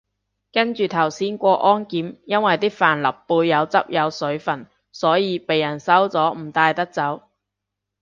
跟住頭先過安檢，因為啲帆立貝有汁有水份，所以被人收咗唔帶得走